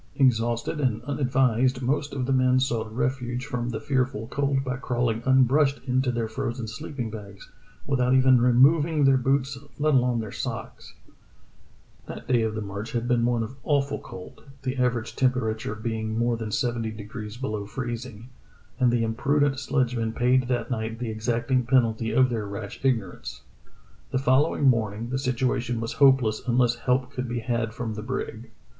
Exhausted and unadvised, most of the men sought ref uge from the fearful cold by crawling unbrushed into their frozen sleeping bags, without even removing their boots let alone their socks. That day of the march had been one of awful cold, the average temperature being more than seventy degrees below freezing, and the im prudent sledgemen paid that night the exacting penalty of their rash ignorance. The following morning the situation was hopeless unless help could be had from the brig.